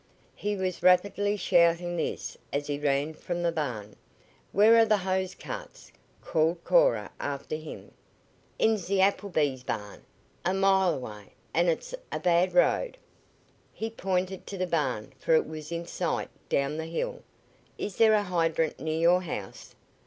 He was rapidly shouting this as he ran from the barn. "Where are the hose carts?" called Cora after him. "In Si Appleby's barn! A mile away, an' it's a bad road." He pointed to the barn, for it was in sight down the hill. "Is there a hydrant near your house?"